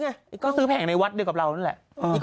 ก็ซื้อแผงในวัดเดียวกับเรานั่นแหละ